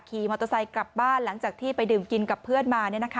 ขี่มอเตอร์ไซค์กลับบ้านหลังจากที่ไปดื่มกินกับเพื่อนมา